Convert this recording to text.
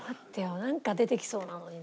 なんか出てきそうなのにな。